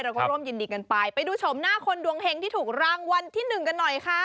ร่วมยินดีกันไปไปดูชมหน้าคนดวงเห็งที่ถูกรางวัลที่หนึ่งกันหน่อยค่ะ